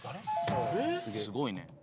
すごいね。